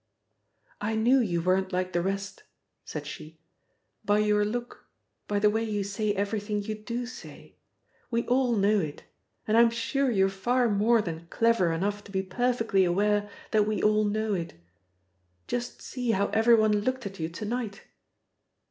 "I knew you weren't like the rest," said she, "by your look; by the way you say everything you do say. We all know it. And I'm sure you're far more than clever enough to be perfectly aware that we all know it. Just see how everyone looked at you to night!"